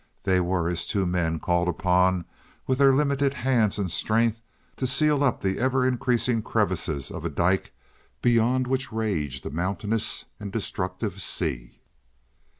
They were as two men called upon, with their limited hands and strength, to seal up the ever increasing crevices of a dike beyond which raged a mountainous and destructive sea.